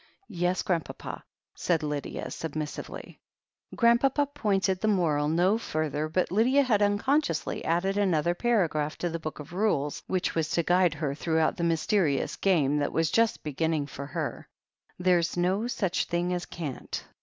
"Yes, Grandpapa," said Lydia submissively. Grandpapa pointed the moral no further but Lydia had unconsciously added another paragraph to the Book of Rules which was to guide her throughout the mysterious game that was just beginning for her: "There's no such thing as can't."